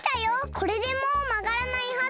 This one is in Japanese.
これでもうまがらないはず！